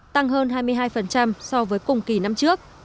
tăng hơn hai mươi hai so với cùng kỳ năm trước